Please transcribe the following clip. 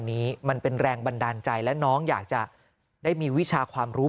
นี้มันเป็นแรงบันดาลใจและน้องอยากจะได้มีวิชาความรู้